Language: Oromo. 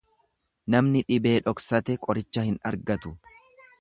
Namni dhibee dhoksate qoricha hin argatu.